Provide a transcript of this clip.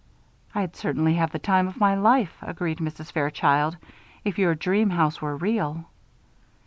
"I'd certainly have the time of my life," agreed Mrs. Fairchild, "if your dream house were real."